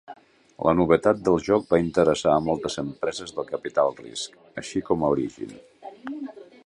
La novetat del joc va interessar a moltes empreses de capital risc, així com a Origin.